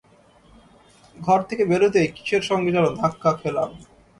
ঘর থেকে বেরুতেই কিসের সঙ্গে যেন ধাক্কা খেলাম।